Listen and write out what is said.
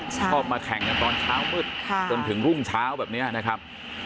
ชอบมาแข่งกันตอนเช้ามืดจนถึงรุ่งเช้าแบบนี้นะครับ